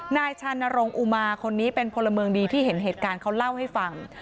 นายชานรงคุมาคนนี้เป็นพลเมืองดีที่เห็นเหตุการณ์เขาเล่าให้ฟัง